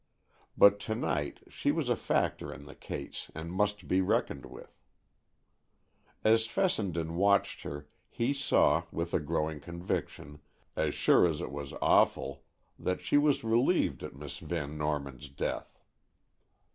But to night she was a factor in the case, and must be reckoned with. As Fessenden watched her, he saw, with a growing conviction, as sure as it was awful, that she was relieved at Miss Van Norman's death.